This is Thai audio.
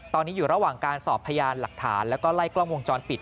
ตอนนี้อยู่ระหว่างการสอบพยานหลักฐานแล้วก็ไล่กล้องวงจรปิด